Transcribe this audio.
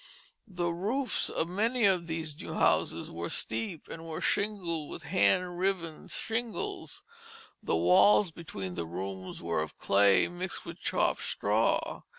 The roofs of many of these new houses were steep, and were shingled with hand riven shingles. The walls between the rooms were of clay mixed with chopped straw.